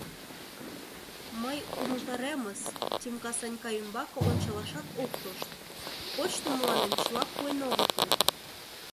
— Мый умылтаремыс, — Тимка Санька ӱмбаке ончалашат ок тошт: — почтым мыланем чыла пуэн огытыл.